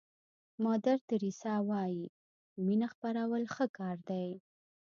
مادر تریسیا وایي مینه خپرول ښه کار دی.